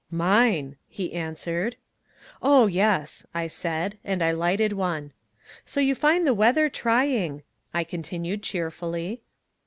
"Mine," he answered. "Oh, yes," I said, and I lighted one. "So you find the weather trying," I continued cheerfully.